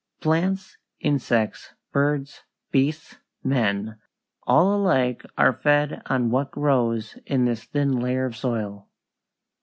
Plants, insects, birds, beasts, men, all alike are fed on what grows in this thin layer of soil.